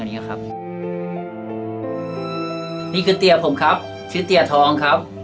นี่คือเตี้ยผมครับชื่อเตี้ยทองครับ